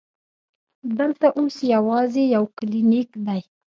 دلته اوس یوازې یو کلینک دی.